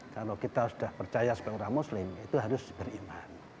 kalau kita sudah percaya sebagai orang muslim itu harus beriman